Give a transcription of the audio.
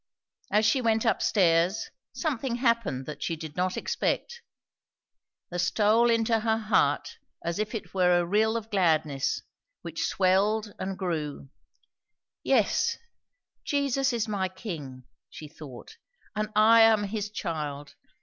As she went up stairs, something happened that she did not expect; there stole into her heart as it were a rill of gladness, which swelled and grew. "Yes, Jesus is my King, she thought, and I am his child.